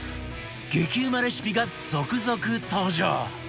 激うまレシピが続々登場